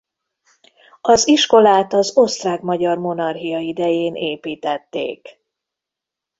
Az iskolát az Osztrák-Magyar Monarchia idején építették.